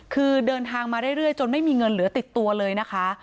คือเดินทางมาเรื่อยจนไม่มีเงินเหลือติดตัวเลยนะคะ